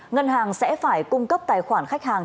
ngân hàng sẽ phải cung cấp tài khoản khách hàng